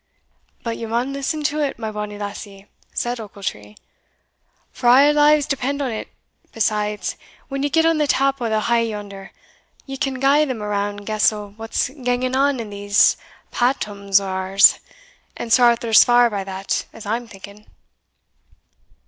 "But ye maun listen to it, my bonnie lassie," said Ochiltree, "for a' our lives depend on it besides, when ye get on the tap o' the heugh yonder, ye can gie them a round guess o' what's ganging on in this Patmos o' ours and Sir Arthur's far by that, as I'm thinking."